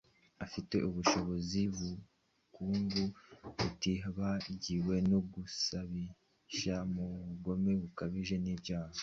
afite ubushobozi, ubukungu utibagiwe no gusayisha mu bugome bukabije n’ibyaha